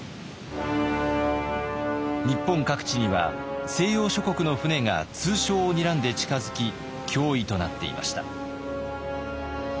日本各地には西洋諸国の船が通商をにらんで近づき脅威となっていました。